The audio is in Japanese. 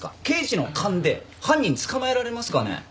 刑事の勘で犯人捕まえられますかね？